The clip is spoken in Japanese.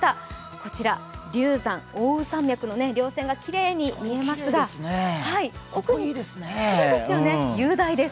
こちら龍山奥羽山脈のりょう線がきれいに見えますね、雄大です。